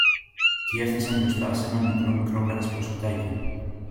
κι έφθασαν μπροστά σ' ένα μικρό-μικρό κάτασπρο σπιτάκι.